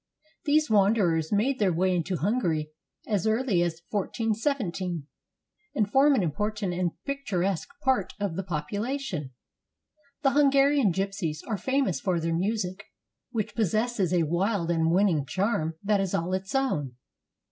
These wanderers made their way into Hungary as early as 141 7, and form an important and picturesque part of the population. The Hungarian gypsies are famous for their music, which possesses a wild and winning charm that is all its own.